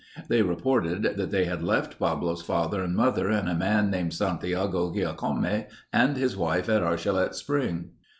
They reported that they had left Pablo's father and mother and a man named Santiago Giacome and his wife at Archilette Spring.